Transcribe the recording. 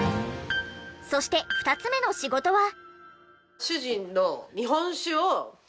そして２つ目の仕事は。